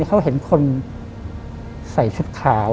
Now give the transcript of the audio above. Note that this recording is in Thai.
เขาเห็นคนใส่ชุดขาว